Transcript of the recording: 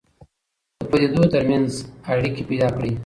د پديدو تر منځ اړيکي پيدا کړئ.